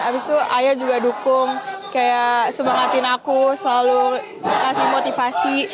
abis itu ayah juga dukung kayak semangatin aku selalu kasih motivasi